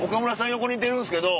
横にいてるんですけど。